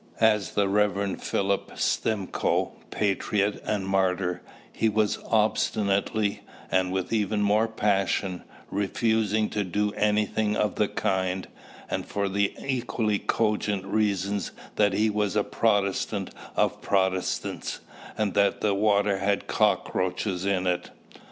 As the Rev. Philip Stimcoe, patriot and martyr, he was obstinately, and with even more passion, refusing to do anything of the kind, and for the equally cogent reasons that he was a Protestant of the Protestants and that the water had cockroaches in it.